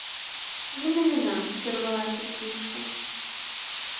Не навіна, што рвалася стужка.